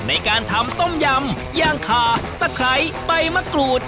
ในการทำต้มยำย่างขาตะไคร้ใบมะกรูด